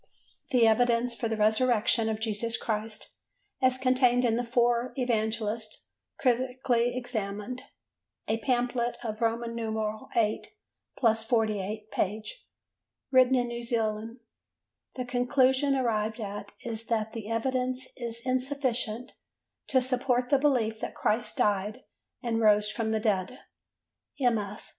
The Evidence for the Resurrection of Jesus Christ as contained in the Four Evangelists critically examined: a pamphlet of VIII+48 pp. written in New Zealand: the conclusion arrived at is that the evidence is insufficient to support the belief that Christ died and rose from the dead: MS.